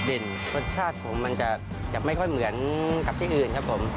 รสชาติผมมันจะไม่ค่อยเหมือนกับที่อื่นครับผม